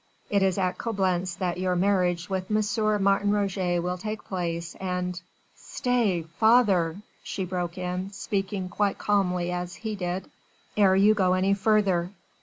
It is at Coblentz that your marriage with M. Martin Roget will take place, and...." "Stay, father," she broke in, speaking quite as calmly as he did, "ere you go any further.